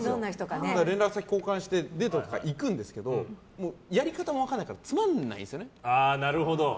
連絡先交換してデートとか行くんですけどやり方も分からないからつまらないんですよね。